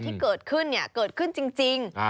ที่เกิดขึ้นเกิดขึ้นจริง